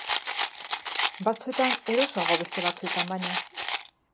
Batzuetan erosoago beste batzuetan baino.